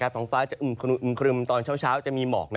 ท้องฟ้าจะอึมครึมตอนเช้าจะมีหมอก